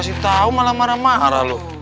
kasih tau malah marah marah lo